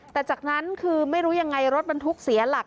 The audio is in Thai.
แต่จากนั้นคือไม่รู้ยังไงรถบรรทุกเสียหลัก